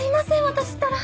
私ったら。